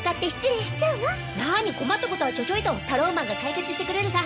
なに困ったことはちょちょいとタローマンが解決してくれるさ。